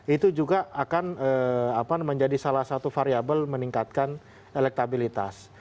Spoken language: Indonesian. itu juga akan menjadi salah satu variable meningkatkan elektabilitas